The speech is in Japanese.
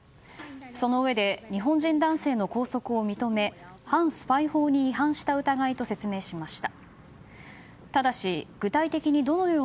そのうえで日本人男性の拘束を認め反スパイ法に違反した疑いと説明しました。